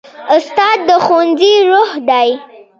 استاد د ښوونځي روح دی.